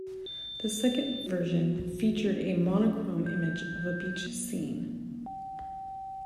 The second version featured a monochrome image of a beach scene.